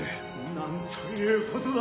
なんという事だ！